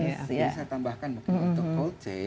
jadi saya tambahkan mungkin untuk cold chain